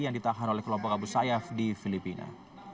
yang ditahan oleh kelompok abu sayyaf di filipina